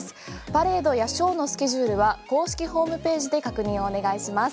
パレードやショーのスケジュールは公式ホームページで確認をお願いします。